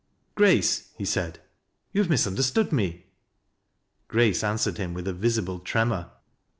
" Grace," he said, " you have misunderstood me." Grace answered him with a visible ti emor.